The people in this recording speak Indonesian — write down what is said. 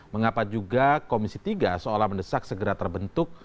mengapa juga komisi tiga seolah mendesak segera terbentuk